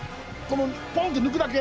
ポンって抜くだけ？